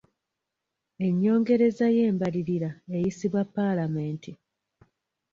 Ennyongereza y'embalirira eyisibwa paalamenti.